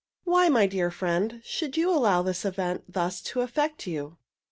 Why, my dear friend, should you allow this event thus to affect you?